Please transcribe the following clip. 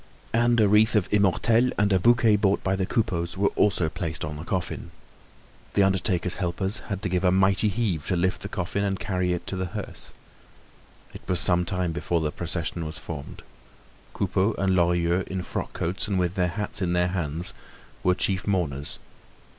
And a wreath of immortelles and a bouquet bought by the Coupeaus were also placed on the coffin. The undertaker's helpers had to give a mighty heave to lift the coffin and carry it to the hearse. It was some time before the procession was formed. Coupeau and Lorilleux, in frock coats and with their hats in their hands, were chief mourners.